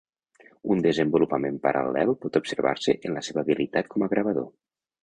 Un desenvolupament paral·lel pot observar-se en la seva habilitat com a gravador.